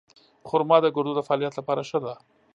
خرما د ګردو د فعالیت لپاره ښه ده.